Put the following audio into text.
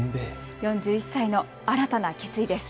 ４１歳の新たな決意です。